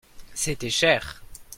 C'était cher.